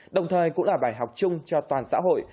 đồng thời cũng là bài học chung cho toàn xã hội